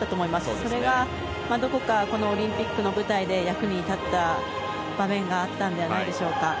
それが、どこかこのオリンピックの舞台で役に立った場面があったんではないんでしょうか。